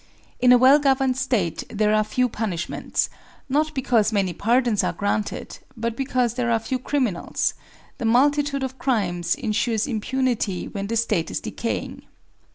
In a well governed State there are few punishments, not because many pardons are granted, but because there are few criminals; the multitude of crimes insures impunity when the State is decaying.